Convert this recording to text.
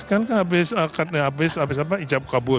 kan kan habis apa hijab kabul